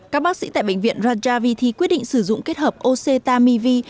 các bác sĩ tại bệnh viện rajaviti quyết định sử dụng kết hợp ocentamivir